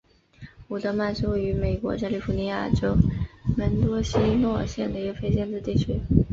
伍德曼是位于美国加利福尼亚州门多西诺县的一个非建制地区。